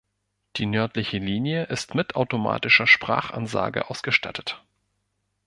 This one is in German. Die nördliche Linie ist mit automatischer Sprachansage ausgestattet.